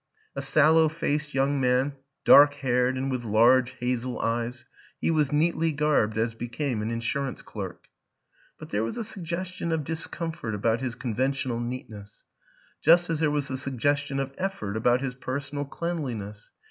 A sallow faced young man, dark haired and with large hazel eyes, he was neatly garbed as became an insurance clerk; but there was a suggestion of discomfort about his conven tional neatness, just as there was a suggestion of effort about his personal cleanliness.